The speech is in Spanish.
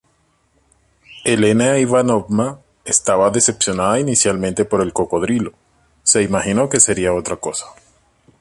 Elena Ivanovna estaba decepcionada inicialmente por el cocodrilo, se imaginó que sería otra cosa.